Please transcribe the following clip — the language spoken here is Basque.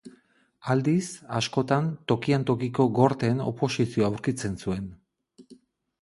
Aldiz, askotan tokian tokiko gorteen oposizioa aurkitzen zuen.